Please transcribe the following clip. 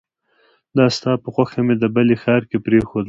دا ستا په خوښه مې د بلې ښار کې پريښودلې